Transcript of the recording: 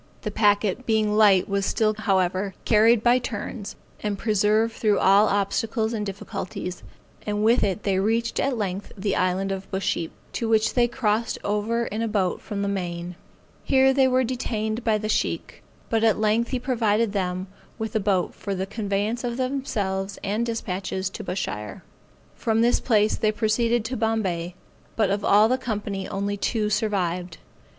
The packet being light was still, however, carried by turns, and preserved through all obstacles and difficulties; and with it they reached at length the island of Busheap, to which they crossed over in a boat from the main. Here they were detained by the Sheikh, but at length he provided them with a boat for the conveyance of themselves and dispatches to Bushire. From this place they proceeded to Bombay, but of all the company only two survived.